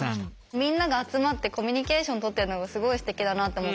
みんなが集まってコミュニケーション取ってるのがすごいすてきだなと思って。